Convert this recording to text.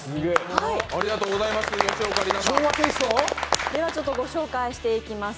ありがとうございます。